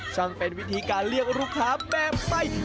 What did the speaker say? ช่างเป็นพี่ทีการเลี่ยงลูกค้าแบบไทย